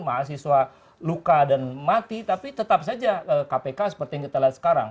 mahasiswa luka dan mati tapi tetap saja kpk seperti yang kita lihat sekarang